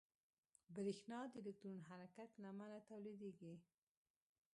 برېښنا د الکترون حرکت له امله تولیدېږي.